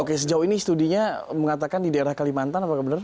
oke sejauh ini studinya mengatakan di daerah kalimantan apakah benar